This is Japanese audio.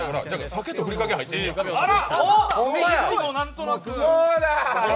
さけとふりかけ入ってるんや。